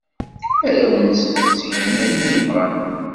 Arraw-nsent ttgen ayen ay bɣan.